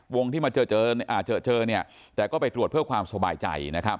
วงที่มาเจอเจอแต่ก็ไปตรวจเพื่อความสบายใจ